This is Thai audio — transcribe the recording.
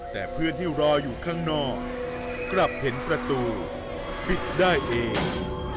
แต่เพื่อนที่รออยู่ข้างนอกกลับเห็นประตูปิดได้เอง